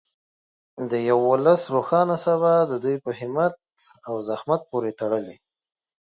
د یو ولس روښانه سبا د دوی په همت او زحمت پورې تړلې.